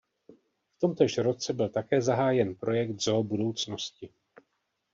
V tomtéž roce byl také zahájen projekt „Zoo budoucnosti“.